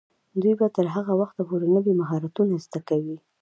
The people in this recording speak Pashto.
دوی به تر هغه وخته پورې نوي مهارتونه زده کوي.